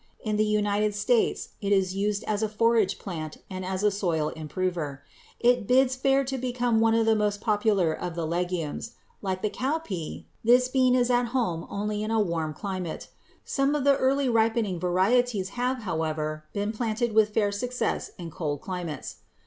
In the United States it is used as a forage plant and as a soil improver. It bids fair to become one of the most popular of the legumes. Like the cowpea, this bean is at home only in a warm climate. Some of the early ripening varieties have, however, been planted with fair success in cold climates.